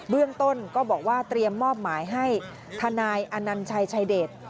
เรื่องต้นก็บอกว่าเตรียมมอบหมายให้ทนายอนัญชัยชายเดช